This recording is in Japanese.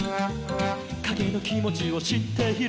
「かげのきもちをしっている」